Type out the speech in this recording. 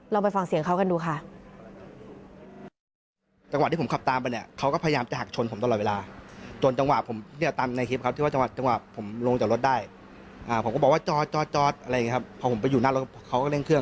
ไปฟังเสียงเขากันดูค่ะ